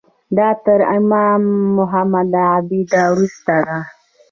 دا تر امام محمد عبده وروسته ده.